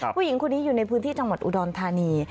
ผู้หญิงคนนี้อยู่ในพื้นที่จังหวัดอุดรธานี